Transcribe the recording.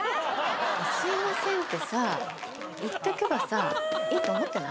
「すいません」って言っとけばさいいと思ってない？